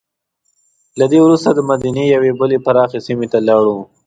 له دې وروسته دمدینې یوې بلې پراخې سیمې ته لاړو.